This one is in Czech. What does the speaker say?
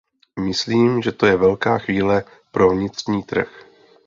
Myslím, že to je velká chvíle pro vnitřní trh.